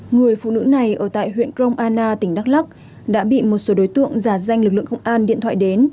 người phụ nữ này ở tại huyện gromana tỉnh đắk lắk đã bị một số đối tượng giả danh lực lượng công an điện thoại đến